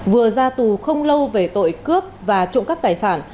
vừa ra tù không lâu về tội cướp và trộm cắp tài sản